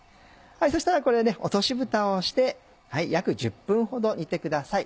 そしたらこれね落としぶたをして約１０分ほど煮てください。